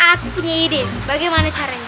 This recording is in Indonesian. aku punya ide bagaimana caranya